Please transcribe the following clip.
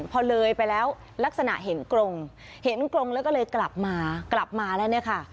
พอเลยไปแล้วลักษณะเห็นกรงเห็นกรงแล้วก็เลยกลับมากลับมาแล้วเนี่ยค่ะ